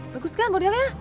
bagus kan modelnya